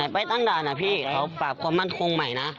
ไปตั้งด่านนะพี่เขาปราบความมั่นคงใหม่นะ